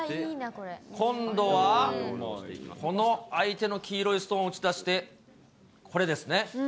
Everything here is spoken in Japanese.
今度は、この相手の黄色いストーンを打ち出してこれですね。